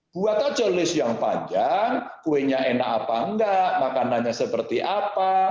buat aja list yang panjang kuenya enak apa enggak makanannya seperti apa